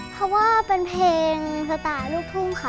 เพราะว่าเป็นเพลงสไตล์ลูกทุ่งค่ะ